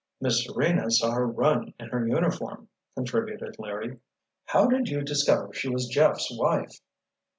"Miss Serena saw her run in her uniform," contributed Larry. "How did you discover she was Jeff's wife?"